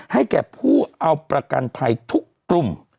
แก่ผู้เอาประกันภัยทุกกลุ่ม